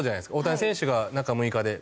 大谷選手が中６日で。